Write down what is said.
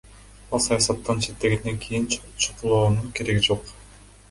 Ал саясаттан четтегенден кийин чукулоонун кереги жок.